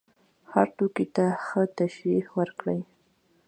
هر توکي ته ښه تشریح وکړه.